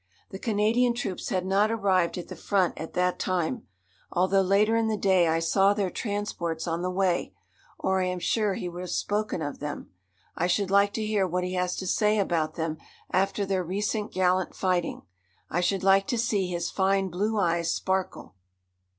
The Canadian troops had not arrived at the front at that time, although later in the day I saw their transports on the way, or I am sure he would have spoken of them. I should like to hear what he has to say about them after their recent gallant fighting. I should like to see his fine blue eyes sparkle.